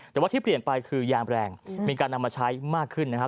แต่ว่าที่เปลี่ยนไปคือยางแรงมีการนำมาใช้มากขึ้นนะครับ